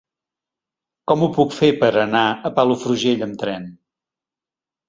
Com ho puc fer per anar a Palafrugell amb tren?